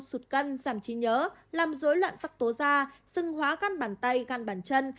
sụt cân giảm trí nhớ làm dối loạn sắc tố da xưng hóa căn bàn tay gan bàn chân